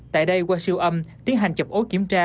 tại đây qua siêu âm tiến hành chập ố kiểm tra